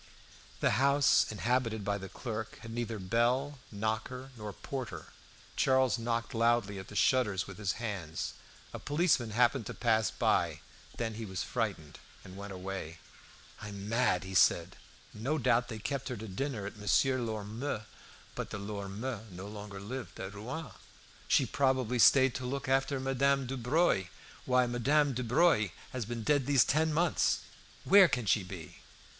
The house inhabited by the clerk had neither bell, knocker, nor porter. Charles knocked loudly at the shutters with his hands. A policeman happened to pass by. Then he was frightened, and went away. "I am mad," he said; "no doubt they kept her to dinner at Monsieur Lormeaux'." But the Lormeaux no longer lived at Rouen. "She probably stayed to look after Madame Dubreuil. Why, Madame Dubreuil has been dead these ten months! Where can she be?"